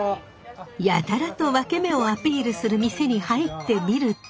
やたらとワケメをアピールする店に入ってみると。